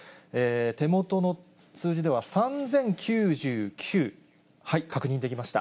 手元の数字では３０９９、確認できました。